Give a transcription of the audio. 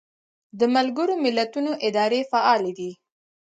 د ملګرو ملتونو ادارې فعالې دي